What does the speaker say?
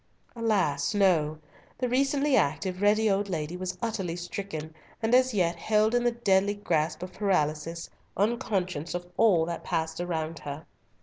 Alas! no; the recently active, ready old lady was utterly stricken, and as yet held in the deadly grasp of paralysis, unconscious of all that passed around her.